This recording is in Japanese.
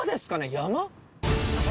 山？